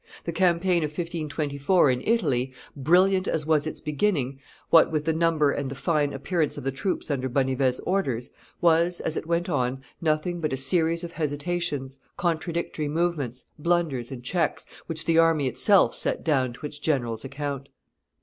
The campaign of 1524 in Italy, brilliant as was its beginning, what with the number and the fine appearance of the troops under Bonnivet's orders, was, as it went on, nothing but a series of hesitations, contradictory movements, blunders, and checks, which the army itself set down to its general's account.